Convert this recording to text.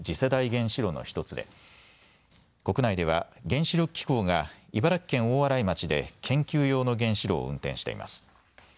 原子炉の１つで、国内では原子力機構が茨城県大洗町で研究用の原子炉を運転しています。